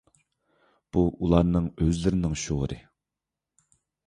بۇ ئۇلارنىڭ ئۆزلىرىنىڭ شورى.